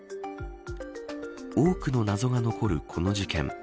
多くの謎が残るこの事件。